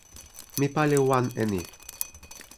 mi pali wan e ni.